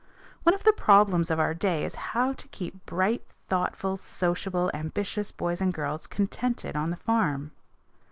One of the problems of our day is how to keep bright, thoughtful, sociable, ambitious boys and girls contented on the farm.